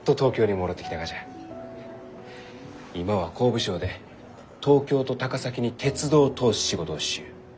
今は工部省で東京と高崎に鉄道を通す仕事をしゆう。